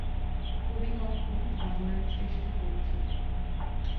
কবি-কঙ্কন বাঙলার শ্রেষ্ঠ কবি ছিলেন।